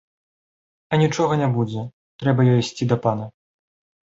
Анічога не будзе, трэба ёй ісці да пана.